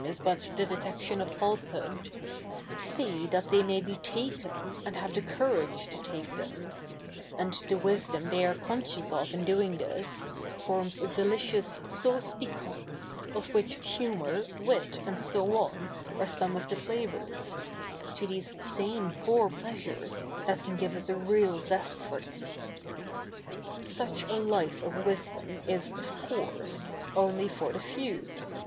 i is but the detection of falsehood — see that they may be taken, and have the courage to take them : a7td the ivisdoni they are co7iscious of in doi7ig this, fo7 ms a delicious sauce piquante — {of which hwwur, wit, and so on, a7 e so7ne of the flavours) — to these same poor pleasures, that can give us a real zest for the7n. ' Such a life of wisdo7n is, of course, only for the few.